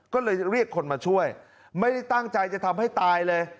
ก็เลยเรียกคนมาช่วยไม่ได้ตั้งใจจะทำให้ตายเลย